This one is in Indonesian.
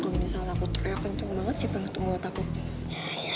gak ada apa apa